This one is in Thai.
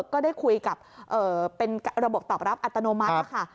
ก็ได้คุยกับเป็นระบบตอบรับอัตโนมัตินะคะ